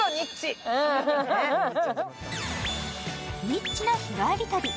ニッチな日帰り旅。